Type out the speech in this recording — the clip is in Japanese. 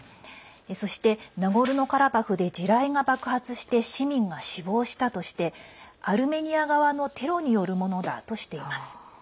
そして、ナゴルノカラバフで地雷が爆発して市民が死亡したとしてアルメニア側のテロによるものだとしています。